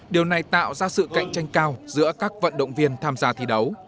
điều này tạo ra sự cạnh tranh cao giữa các vận động viên tham gia thi đấu